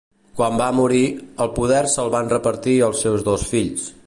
Quan va morir, el poder se'l van repartir els seus dos fills.